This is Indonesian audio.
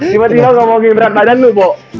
tiba tiba ngomongin berat badan lu bo